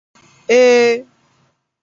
èé.